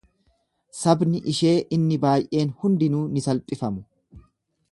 Sabni ishee inni baay'een hundinuu ni salphifamu.